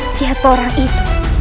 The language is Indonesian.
siapa orang itu